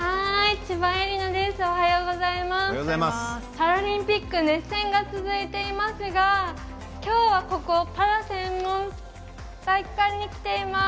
パラリンピック熱戦が続いていますがきょうは、ここパラ専門体育館に来ています。